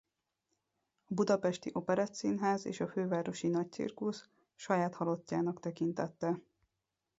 A Budapesti Operettszínház és a Fővárosi Nagycirkusz saját halottjának tekintette.